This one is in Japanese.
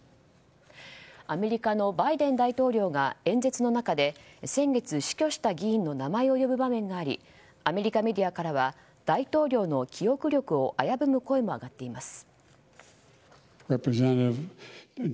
アメリカのバイデン大統領が演説の中で先月死去した議員の名前を呼ぶ場面がありアメリカメディアからは大統領の記憶力を危ぶむ声も上がっています。